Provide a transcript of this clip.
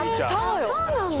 そうなんだ。